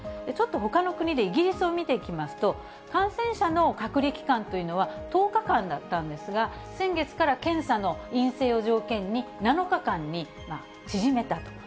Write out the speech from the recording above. ちょっとほかの国でイギリスを見ていきますと、感染者の隔離期間というのは、１０日間だったんですが、先月から検査の陰性を条件に、７日間に縮めたと。